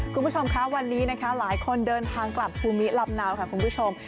คุณผู้ชมคะวันนี้นะคะหลายคนเดินทางกลับภูมิลำเนาค่ะคุณผู้ชม